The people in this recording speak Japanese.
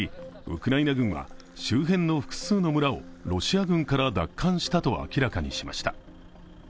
ウクライナ軍は周辺の複数の村をロシア軍から奪還したと明らかにしました。